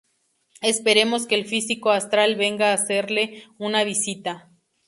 Esperemos que el físico astral venga a hacerle una visita.